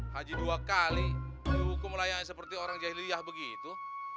haji dua kali dihukum layaknya seperti orang jahiliyah begitu